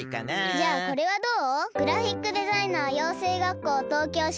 じゃあこれはどう？